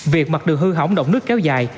việc mặt đường hư hỏng động nước kéo dài